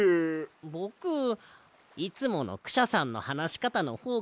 ぼくいつものクシャさんのはなしかたのほうがすきだな。